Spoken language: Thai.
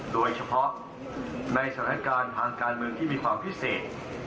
โดยเฉพาะในสถานการณ์ทางการเมืองที่มีความพิเศษ